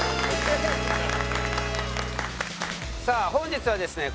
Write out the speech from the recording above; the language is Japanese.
さあ本日はですね